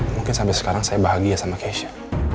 mungkin sampai sekarang saya bahagia sama keisha